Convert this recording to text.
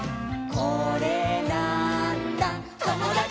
「これなーんだ『ともだち！』」